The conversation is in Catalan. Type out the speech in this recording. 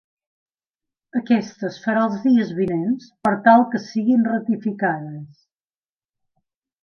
Aquesta es farà els dies vinents per tal que siguin ratificades.